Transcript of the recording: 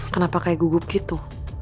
kenapa kayak gugup gitu